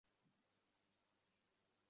এই প্রাচীন মহাপুরুষেরা সকলেই ছিলেন ঈশ্বরের দূত।